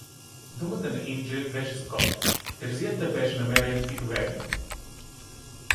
Думата на Индже беше закон, терзията беше намерен и доведен.